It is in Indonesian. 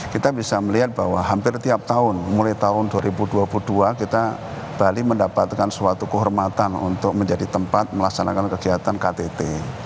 kita bisa melihat bahwa hampir tiap tahun mulai tahun dua ribu dua puluh dua kita bali mendapatkan suatu kehormatan untuk menjadi tempat melaksanakan kegiatan ktt